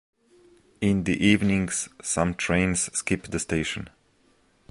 In the evenings, some trains skip the station.